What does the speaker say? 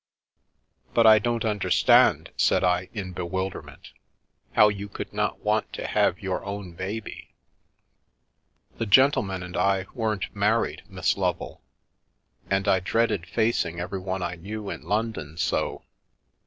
" But I don't understand," said I in bewilderment, " how you could want not to have your own baby ?"" The gentleman and I weren't married, Miss Lovel. And I dreaded facing everyone I knew in London so.